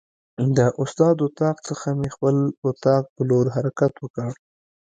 د استاد اتاق څخه مې خپل اتاق په لور حرکت وکړ.